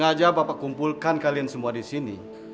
saya perlu tuntut dok sama rumah sakit ini